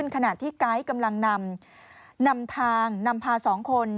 ในขณะที่ก้ายกำลังนำทางนำพาสองคน